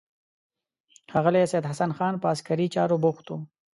ښاغلی سید حسن خان په عسکري چارو بوخت و.